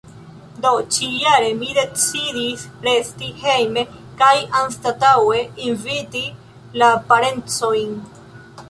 Do, ĉi-jare mi decidis resti hejme kaj anstataŭe inviti la parencojn.